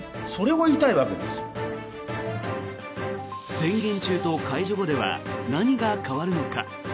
宣言中と解除後では何が変わるのか。